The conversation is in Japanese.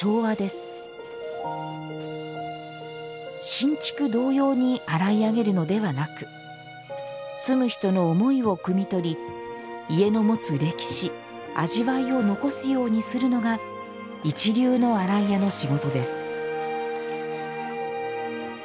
新築同様に洗い上げるのではなく住む人の思いをくみ取り家の持つ歴史味わいを残すようにするのが一流の洗い屋の仕事です